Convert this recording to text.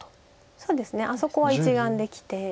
そうですねあそこは１眼できて。